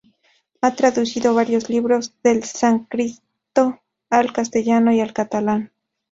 Ha traducido varios libros del sánscrito al castellano y al catalán.